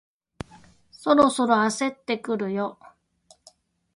そろそろ焦ってくるよ